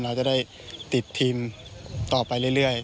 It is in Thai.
เราจะได้ติดทีมต่อไปเรื่อย